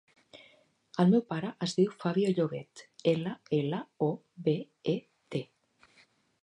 El meu pare es diu Fabio Llobet: ela, ela, o, be, e, te.